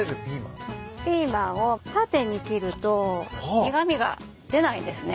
ピーマンを縦に切ると苦味が出ないんですね。